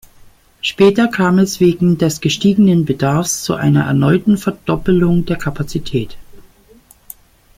Später kam es wegen des gestiegenen Bedarfs zu einer erneuten Verdopplung der Kapazität.